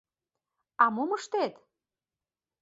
— А мом ыштет!